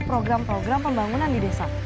program program pembangunan di desa